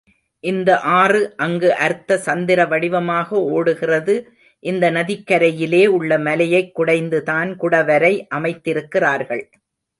இந்த ஆறு அங்கு அர்த்த சந்திரவடிவமாக ஓடுகிறது இந்த நதிக்கரையிலே உள்ள மலையைக் குடைந்துதான் குடவரை அமைத்திருக்கிறார்கள்.